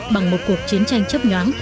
bằng một cuộc chiến tranh chấp nhoáng